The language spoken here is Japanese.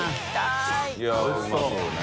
い筺舛うまそうね。